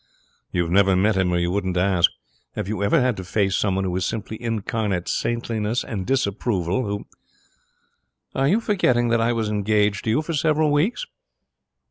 'You've never met him or you wouldn't ask. Have you ever had to face someone who is simply incarnate Saintliness and Disapproval, who ' 'Are you forgetting that I was engaged to you for several weeks?'